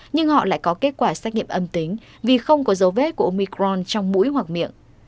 nhưng họ lại có kết quả xét nghiệm âm tính vì không có dấu vết của omicron trong mũi hoặc miệng